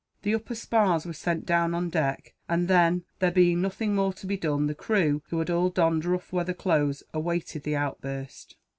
The upper spars were sent down on deck and then, there being nothing more to be done, the crew, who had all donned rough weather clothes, awaited the outburst.